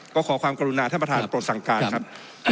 ก็ขอความกรุณาท่านประธานโปรดสั่งการครับ